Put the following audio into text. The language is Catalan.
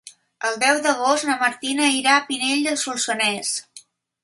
El deu d'agost na Martina irà a Pinell de Solsonès.